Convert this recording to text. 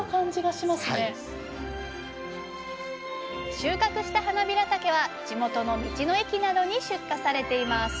収穫したはなびらたけは地元の道の駅などに出荷されています。